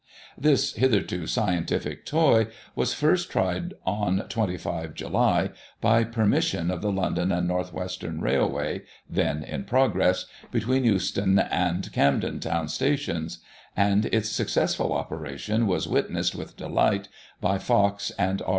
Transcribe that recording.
This hitherto scientific toy was first tried on 25 July by permission of the London and North Western Rail way (then in progress) between Euston and Camden Town stations, and its successful operation was witnessed with delight by Fox and R.